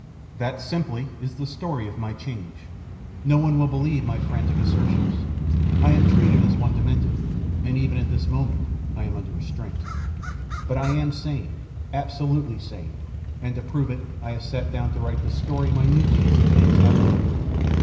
That simply is the story of my change. No one 68 THE PLATTNER STORY AND OTHERS will believe my frantic assertions. I am treated as one demented, and even at this moment I am under restraint. But I am sane, absolutely sane, and to prove it I have sat down to write this story minutely as the things happened to me.